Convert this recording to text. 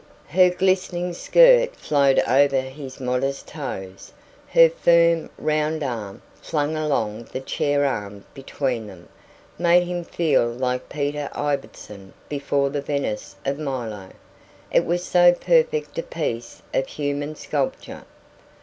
Her glistening skirt flowed over his modest toes. Her firm, round arm, flung along the chair arm between them, made him feel like Peter Ibbotson before the Venus of Milo it was so perfect a piece of human sculpture.